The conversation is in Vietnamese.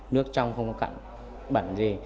nước trong không có cặn bẩn gì